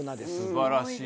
素晴らしい。